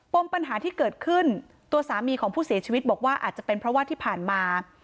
ปัญหาที่เกิดขึ้นตัวสามีของผู้เสียชีวิตบอกว่าอาจจะเป็นเพราะว่าที่ผ่านมา